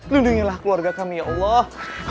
lindungilah keluarga kami ya allah